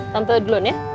tante dulun ya